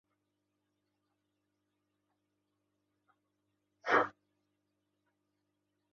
• Baliq chuqur joyni sevadi, mulla ― badavlat joyni.